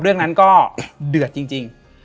เรื่องนั้นก็เดือดจริง